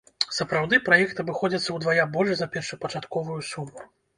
Сапраўды, праект абыходзіцца ўдвая больш за першапачатковую суму.